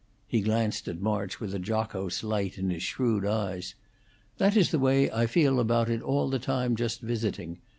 He glanced at March with a jocose light in his shrewd eyes. "That is the way I feel about it all the time: just visiting.